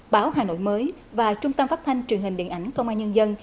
báo hà nội mới và trung tâm phát thanh truyền hình điện ảnh công an nhân dân